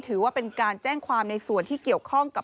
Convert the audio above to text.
ถือว่าเป็นการแจ้งความในส่วนที่เกี่ยวข้องกับ